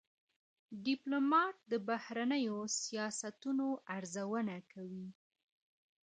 ډيپلومات د بهرنیو سیاستونو ارزونه کوي.